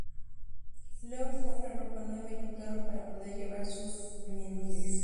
Luego compra ropa nueva y un carro para poder llevar sus menhires.